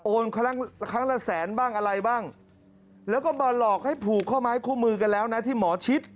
ครั้งครั้งละแสนบ้างอะไรบ้างแล้วก็มาหลอกให้ผูกข้อไม้ข้อมือกันแล้วนะที่หมอชิด